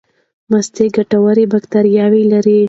مستې ګټورې باکتریاوې لري.